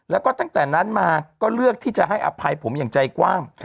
แล้วก็ตั้งแต่นั้นมาก็เลือกที่จะให้อภัยผมอย่างใจกว้าง